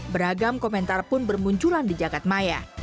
beragam komentar pun bermunculan di jakarta maya